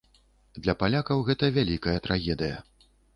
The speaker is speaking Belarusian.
Для палякаў гэта вялікая трагедыя.